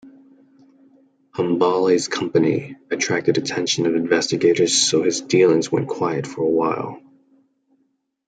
Hambali's company attracted attention of investigators so his dealings went quiet for a while.